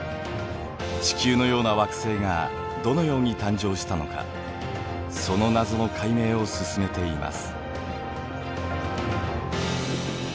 地球のような惑星がどのように誕生したのかその謎の解明を進めています。